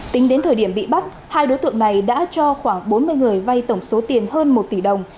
tính đến thời điểm bị bắt hai đối tượng này đã cho khoảng bốn mươi người vay tổng số tiền hơn một tỷ đồng